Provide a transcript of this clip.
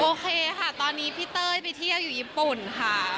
โอเคค่ะตอนนี้พี่เต้ยไปเที่ยวอยู่ญี่ปุ่นค่ะ